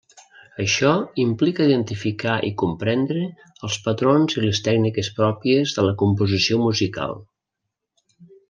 Això implica identificar i comprendre els patrons i les tècniques pròpies de la composició musical.